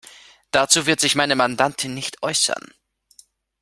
Dazu wird sich meine Mandantin nicht äußern.